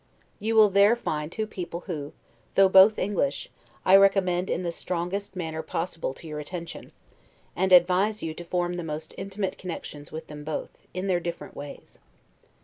You will there find two people who, though both English, I recommend in the strongest manner possible to your attention; and advise you to form the most intimate connections with them both, in their different ways.